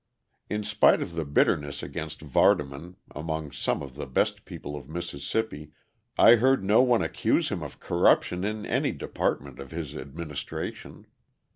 In spite of the bitterness against Vardaman among some of the best people of Mississippi I heard no one accuse him of corruption in any department of his administration.